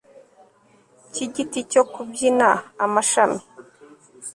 cy'igiti cyo kubyina, amashami